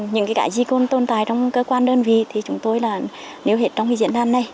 những cái gì còn tồn tại trong cơ quan đơn vị thì chúng tôi là nếu hết trong cái diễn đàn này